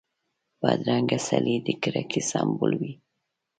بدرنګه سړی د کرکې سمبول وي